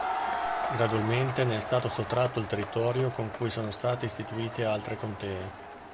Gradualmente ne è stato sottratto il territorio con cui sono state istituite altre contee.